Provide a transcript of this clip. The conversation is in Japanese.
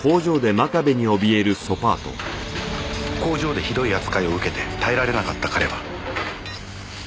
工場でひどい扱いを受けて耐えられなかった彼は。